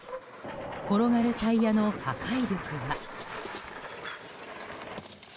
転がるタイヤの破壊力は。